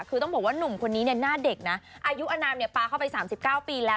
คือต้องบอกว่าหนุ่มคนนี้เนี่ยหน้าเด็กนะอายุอนามเนี่ยปลาเข้าไป๓๙ปีแล้ว